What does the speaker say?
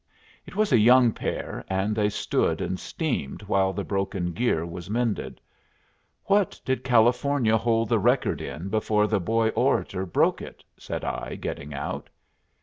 It was a young pair, and they stood and steamed while the broken gear was mended. "What did California hold the record in before the Boy Orator broke it?" said I, getting out.